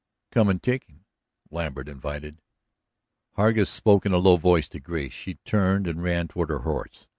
"Come and take him," Lambert invited. Hargus spoke in a low voice to Grace; she turned and ran toward her horse.